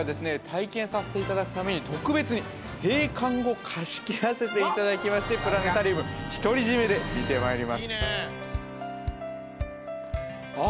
体験させていただくために特別に閉館後貸し切らせていただきましてプラネタリウム独り占めで見てまいりますあ